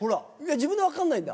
自分で分かんないんだ？